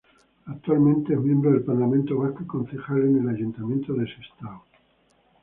Actualmente es miembro del Parlamento Vasco y Concejal en el Ayuntamiento de Sestao.